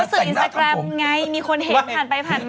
จะสื่ออินไซกราบไงมีคนเห็นผันไปผันไม่ได้